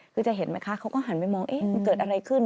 คือจะเห็นไหมคะเขาก็หันไปมองมันเกิดอะไรขึ้น